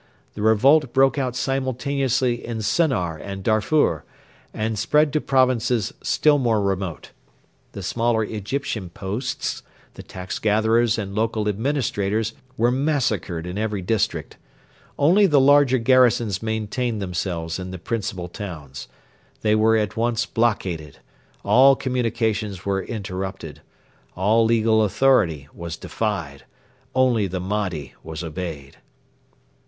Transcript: The revolt broke out simultaneously in Sennar and Darfur, and spread to provinces still more remote. The smaller Egyptian posts, the tax gatherers and local administrators, were massacred in every district. Only the larger garrisons maintained themselves in the principal towns. They were at once blockaded. All communications were interrupted. All legal authority was defied. Only the Mahdi was obeyed.